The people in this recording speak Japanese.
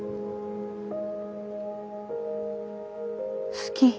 好き。